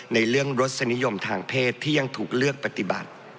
ในเรื่องรสนิยมทางเพศที่ยังถูกเลือกปฏิบัติ